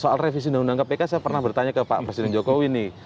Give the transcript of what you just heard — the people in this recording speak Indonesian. soal revisi undang undang kpk saya pernah bertanya ke pak presiden jokowi nih